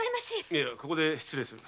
いやここで失礼する。